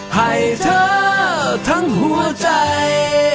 ให้เธอทั้งหัวใจ